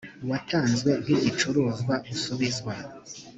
watanzwe nk igicuruzwa usubizwa